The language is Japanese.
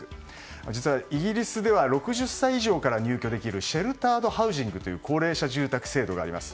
実は、イギリスでは６０歳以上から入居できるシェルタードハウジングという高齢者住宅制度があります。